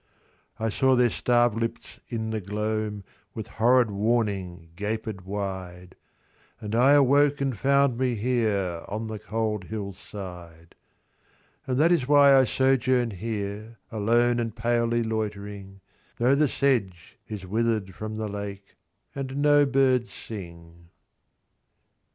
I saw their starved lips in the gloam, With horrid warning gaped wide, And I awoke and found me here, On the cold hill's side. XII.And this is why I sojourn here, Alone and palely loitering, Though the sedge is wither'd from the lake, And no birds sing.